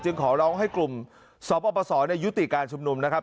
ขอร้องให้กลุ่มสปสยุติการชุมนุมนะครับ